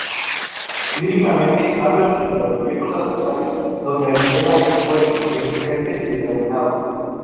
Líricamente, habla frente a los viejos adversarios, donde Aguilera es fuerte, resistente y determinado.